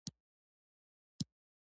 ساره په نوو جامو کې ډېره ښکلې ښکارېده.